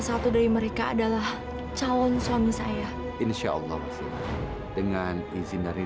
saya akan mengeluarkan kamu dari dalam kendi ini